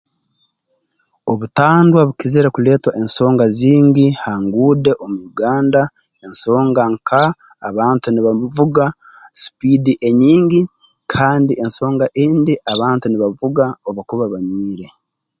Obutandwa bukizire kuleetwa ensonga zingi ha nguude omu Uganda ensonga nka abantu nibavuga supiidi enyingi kandi ensonga endi abantu nibavuga obu bakuba banywire